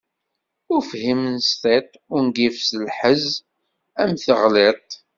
Ufhim s tiṭ, ungif s lhezz am teɣliḍt.